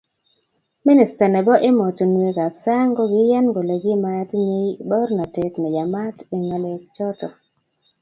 Minister nebo emotinweekab sang kokoiyan kole kimatinyei baornatet ne yamat eng ng'alechotok.